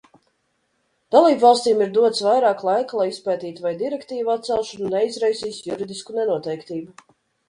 Dalībvalstīm ir dots vairāk laika, lai izpētītu, vai direktīvu atcelšana neizraisīs juridisku nenoteiktību.